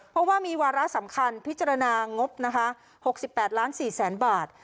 เพราะว่ามีวาระสำคัญพิจารณางบนะคะหกสิบแปดล้านสี่แสนบาท